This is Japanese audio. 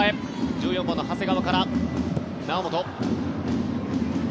１４番の長谷川から猶本。